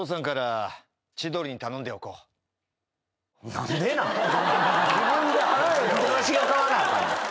何でわしが買わなあかんねん。